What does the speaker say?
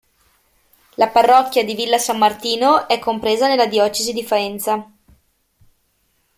La parrocchia di Villa San Martino è compresa nella Diocesi di Faenza.